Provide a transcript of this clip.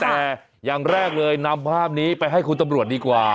แต่อย่างแรกเลยนำภาพนี้ไปให้คุณตำรวจดีกว่า